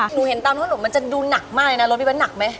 หนูเห็นตามทุกมันจะดูหนักมากเลยนะรถพี่บ๊ายนหนักไหม